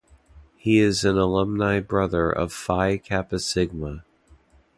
He is an alumni brother of Phi Kappa Sigma.